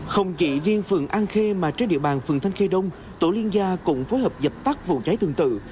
không chỉ riêng phường an khê mà trên địa bàn phường thanh khê đông tổ liên gia cũng phối hợp dập tắt vụ cháy tương tự